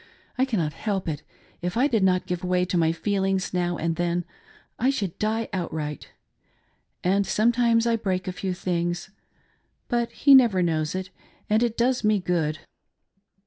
I cannot help it ; if I did not give way to my feelings now and then I should die outright ;— and some times I break a few things, — but he never knows it, and it does me good.